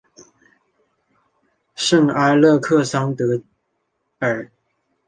圣阿勒克桑德尔。